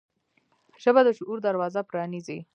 ژبه د شعور دروازه پرانیزي